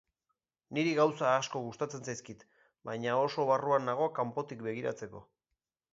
Niri gauza asko gustatzen zaizkit, baina oso barruan nago kanpotik begiratzeko.